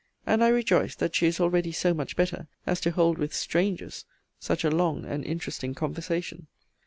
And I rejoice that she is already so much better, as to hold with strangers such a long and interesting conversation.